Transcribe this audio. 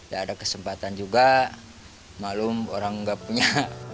ada kesempatan juga malum orang enggak punya